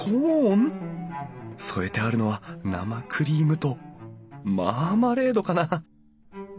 添えてあるのは生クリームとマーマレードかな？